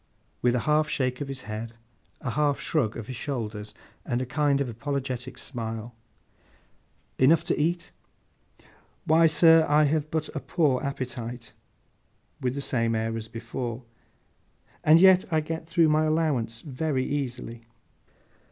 With a half shake of his head, a half shrug of his shoulders, and a kind of apologetic smile. 'Enough to eat?' 'Why, sir, I have but a poor appetite,' with the same air as before; 'and yet I get through my allowance very easily.